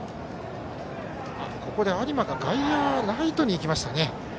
ここで有馬がライトに行きましたね。